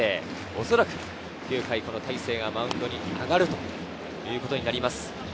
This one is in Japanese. おそらく９回、大勢がマウンドに上がるということになります。